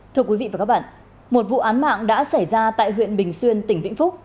thưa quý vị và các bạn một vụ án mạng đã xảy ra tại huyện bình xuyên tỉnh vĩnh phúc